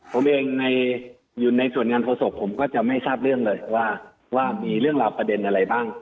ผมเองอยู่ในส่วนงานโฆษกผมก็จะไม่ทราบเรื่องเลยว่ามีเรื่องราวประเด็นอะไรบ้าง